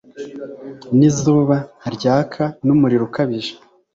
n'izuba, ryaka n'umuriro ukabije